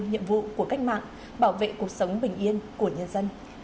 nhiệm vụ của cách mạng bảo vệ cuộc sống bình yên của nhân dân